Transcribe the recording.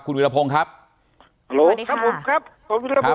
คุณวิรพงษ์ครับสวัสดีค่ะ